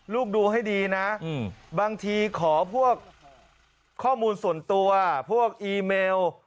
ดูให้ดีนะบางทีขอพวกข้อมูลส่วนตัวพวกอีเมล